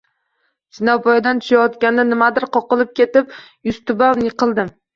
Zinapoyadan tushayotganda nimagadir qoqilib ketib, yuztuban yiqildim